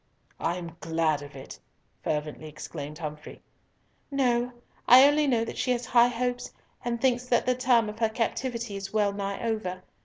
"I am glad of it," fervently exclaimed Humfrey. "No; I only know that she has high hopes, and thinks that the term of her captivity is well nigh over.